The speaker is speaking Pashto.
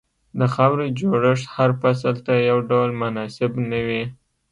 د خاورې جوړښت هر فصل ته یو ډول مناسب نه وي.